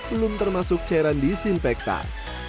belum termasuk cairan disinfektan